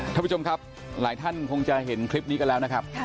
ท่านผู้ชมครับหลายท่านคงจะเห็นคลิปนี้กันแล้วนะครับ